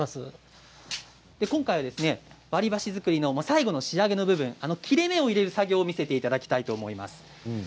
割り箸作りの最後の仕上げの部分切れ目を入れる作業を見せていただきたいと思います。